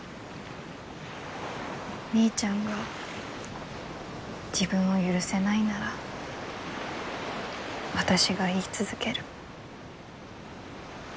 みーちゃんが自分を許せないなら私が言い続ける。